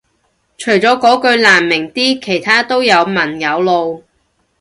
除咗嗰句難明啲其他都有文有路